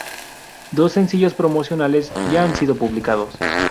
Dos sencillos promocionales ya han sido publicados.